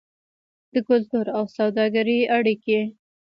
د کلتور او سوداګرۍ اړیکې.